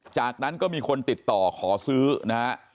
จากนั้นก็มีคนติดต่อขอซื้อนะฮะ